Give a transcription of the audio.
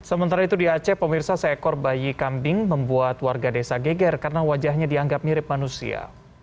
sementara itu di aceh pemirsa seekor bayi kambing membuat warga desa geger karena wajahnya dianggap mirip manusia